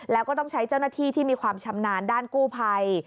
แล้วก็ต้องใช้เจ้าหน้าที่ที่มีความชำนาญด้านกู้ภัย